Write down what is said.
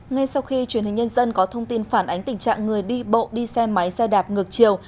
ngay sau khi truyền hình nhân dân có thông tin phản ánh tình trạng người đi bộ đi xe máy xe đạp ngược chiều